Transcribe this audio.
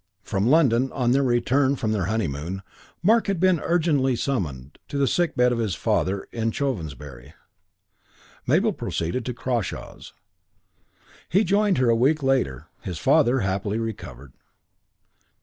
From London, on their return from their honeymoon, Mark had been urgently summoned to the sick bed of his father, in Chovensbury. Mabel proceeded to Crawshaws. He joined her a week later, his father happily recovered.